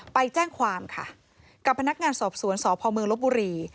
ไปแจ้งความค่ะกับพนักงานสอบสวนสพเมืองลบบุรี